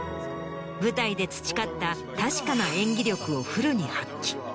舞台で培った確かな演技力をフルに発揮。